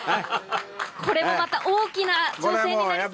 これもまた大きな挑戦になりそうですね。